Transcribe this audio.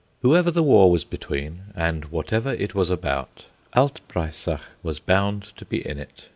Whoever the war was between, and whatever it was about, Alt Breisach was bound to be in it.